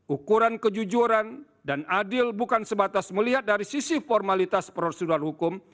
ukuran kejujuran dan adil bukan sebatas melihat dari sisi formalitas prosedural hukum